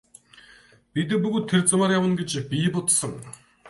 Бид бүгд тэр замаар явна гэж би бодсон.